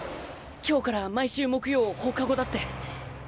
今日から毎週木曜放課後だって。